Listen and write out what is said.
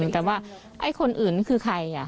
แต่ว่าไอ้คนอื่นคือใคร